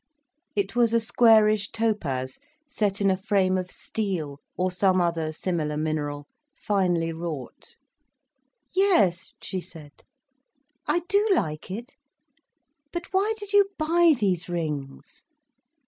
It was a squarish topaz set in a frame of steel, or some other similar mineral, finely wrought. "Yes," she said, "I do like it. But why did you buy these rings?"